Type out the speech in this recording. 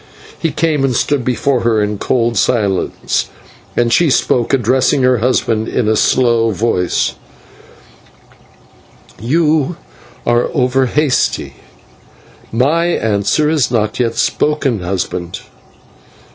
He came, and stood before her in cold silence, and she spoke, addressing her husband in a slow voice: "You are over hasty; /my/ answer is not yet spoken, husband.